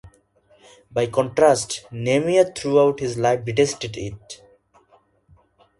By contrast, Namier throughout his life detested it.